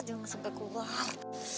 jangan sampai keluar